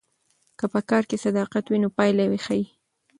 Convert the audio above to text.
که په کار کې صداقت وي نو پایله یې ښه وي.